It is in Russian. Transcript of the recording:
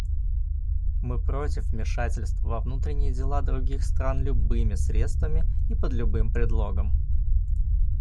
Мы против вмешательства во внутренние дела других стран любыми средствами и под любым предлогом.